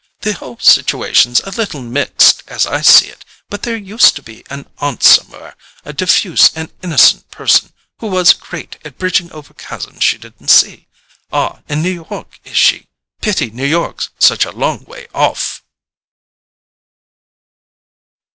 The whole situation's a little mixed, as I see it—but there used to be an aunt somewhere, a diffuse and innocent person, who was great at bridging over chasms she didn't see.... Ah, in New York, is she? Pity New York's such a long way off!"